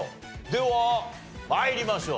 では参りましょう。